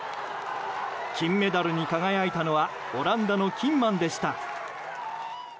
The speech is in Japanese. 金メダルに輝いたのはオランダのキンマンでした。